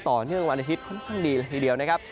ต่อเนื่องวันอาทิตย์ค่อนข้างดีเลยทีเดียวนะครับ